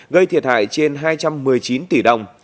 gây thiệt hại trên hai trăm một mươi chín tỷ đồng